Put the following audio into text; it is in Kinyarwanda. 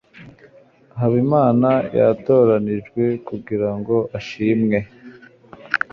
habimana yatoranijwe kugirango ashimwe